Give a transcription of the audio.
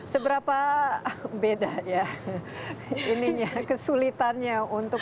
seberapa beda ya kesulitannya untuk mendistribusikan film di indonesia